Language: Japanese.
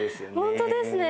本当ですね！